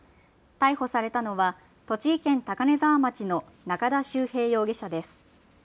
逮捕されたのは栃木県高根沢町の中田秀平容疑者です。